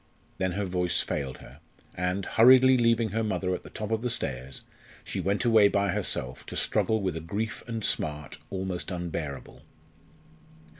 Then her voice failed her, and, hurriedly leaving her mother at the top of the stairs, she went away by herself to struggle with a grief and smart almost unbearable.